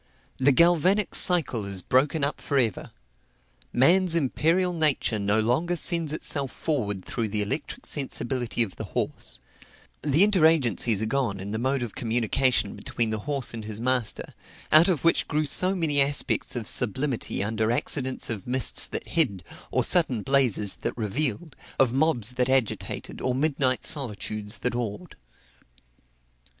The galvanic cycle is broken up for ever: man's imperial nature no longer sends itself forward through the electric sensibility of the horse; the inter agencies are gone in the mode of communication between the horse and his master, out of which grew so many aspects of sublimity under accidents of mists that hid, or sudden blazes that revealed, of mobs that agitated, or midnight solitudes that awed.